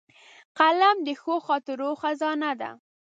قلم د ښو خاطرو خزانه ده